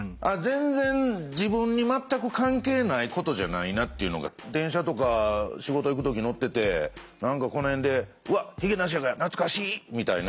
全然自分に全く関係ないことじゃないなっていうのが電車とか仕事行く時に乗ってて何かこの辺で「うわっ髭男爵や。懐かしい」みたいな。